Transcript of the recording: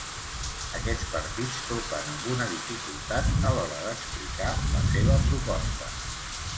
Aquests partits topen amb una dificultat a l’hora d’explicar la seva proposta.